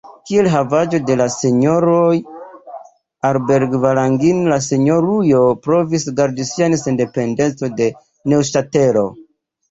Kiel havaĵo de la Senjoroj Aarberg-Valangin la Senjorujo provis gardi sian sendependecon de Neŭŝatelo.